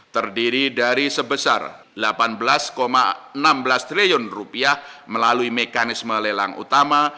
terdiri dari sebesar rp delapan belas enam belas triliun melalui mekanisme lelang utama